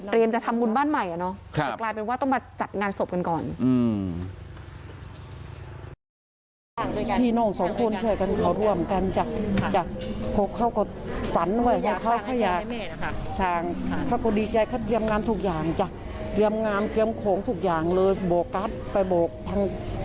เรียนจะทำบ้านใหม่อ่ะเนอะกลายเป็นว่าต้องมาจัดงานศพกันก่อน